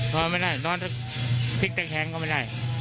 นอนไม่ได้พลิกแต่แข็งก็ไม่ได้